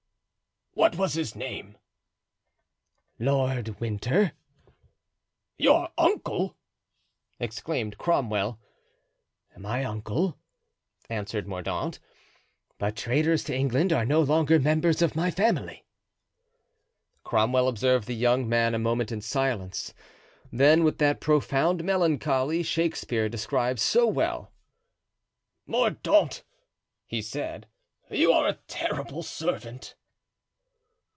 "What was his name?" "Lord Winter." "Your uncle?" exclaimed Cromwell. "My uncle," answered Mordaunt; "but traitors to England are no longer members of my family." Cromwell observed the young man a moment in silence, then, with that profound melancholy Shakespeare describes so well: "Mordaunt," he said, "you are a terrible servant."